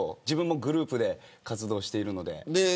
自分もグループで活動しているので。